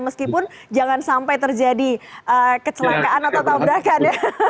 meskipun jangan sampai terjadi kecelakaan atau tabrakan